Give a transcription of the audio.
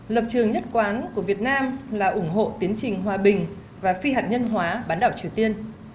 lập trường nhất quán của việt nam là ủng hộ tiến trình hòa bình và phi hạt nhân hóa bán đảo triều tiên